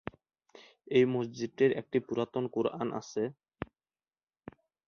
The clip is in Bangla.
এই মসজিদটির একটি পুরাতন কোরআন আছে।